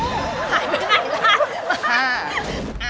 ค่ะ